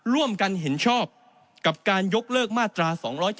ร่วมกันเห็นชอบกับการยกเลิกมาตรา๒๗๒